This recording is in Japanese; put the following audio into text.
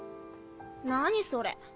何それ。